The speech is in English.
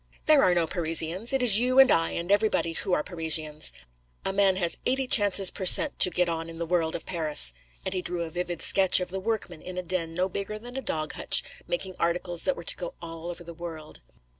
There are no Parisians: it is you and I and everybody who are Parisians. A man has eighty chances per cent. to get on in the world in Paris.' And he drew a vivid sketch of the workman in a den no bigger than a dog hutch, making articles that were to go all over the world.